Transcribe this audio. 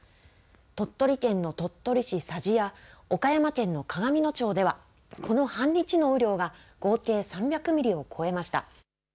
鳥取県の鳥取市佐治や岡山県の鏡野町では、この半日の雨量が合計３００ミリを超えました。